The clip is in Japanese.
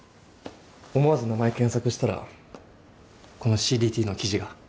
思わず名前検索したらこのＣＤＴの記事が。